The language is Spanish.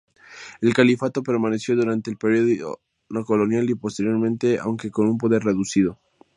El califato permaneció durante el período colonial y posteriormente, aunque con un poder reducido.